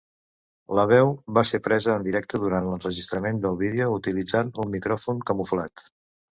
La veu va ser presa en directe durant l'enregistrament del vídeo utilitzant un micròfon camuflat.